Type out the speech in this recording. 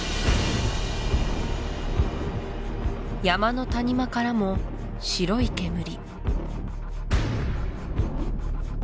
山の谷間からも白い煙